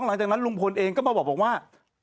หลังจากนั้นลุงพลเองก็มาบอกว่า